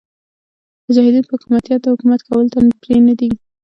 مجاهدین به حکمتیار ته حکومت کولو ته پرې نه ږدي.